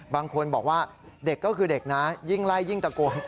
บางคนบอกว่าเด็กก็คือเด็กนะยิ่งไล่ยิ่งตะโกน